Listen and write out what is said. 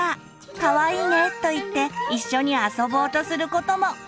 「かわいいね」と言って一緒に遊ぼうとすることも。